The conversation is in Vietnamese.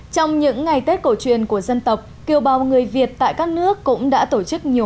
trong những ngày tết cổ truyền của dân tộc kiều bào người việt tại các nước cũng đã tổ chức nhiều